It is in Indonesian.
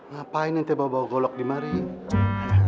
ngapain nanti bawa bawa golok di mal ini